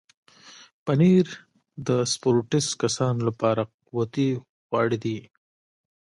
پنېر د سپورټس کسانو لپاره قوتي خواړه دي.